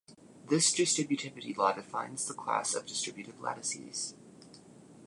This distributivity law defines the class of distributive lattices.